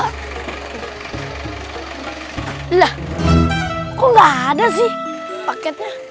kok gak ada sih paketnya